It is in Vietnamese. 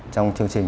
trong chương trình